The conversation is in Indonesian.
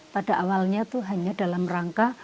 pada awalnya itu hanya dalam rangka